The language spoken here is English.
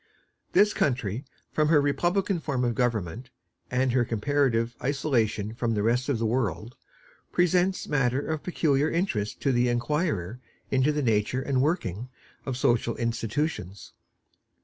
This country, from her republican form of government, and her comparative isolation from the rest of the world, presents matter of peculiar interest to the inquirer into the nature and working of social institutions.